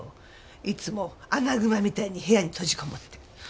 いつもアナグマみたいに部屋に閉じこもって。